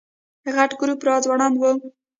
غټ ګروپ راځوړند و.